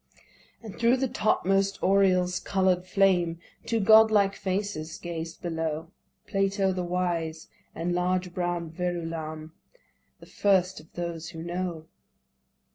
And thro' the topmost Oriels, coloured flame Two godlike faces gazed below; Plato the wise, and large brow'd Verulam, The first of those who know.